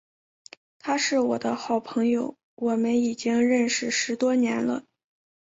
他是我的好朋友，我们已经认识十多年了。